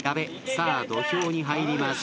さあ土俵に入ります。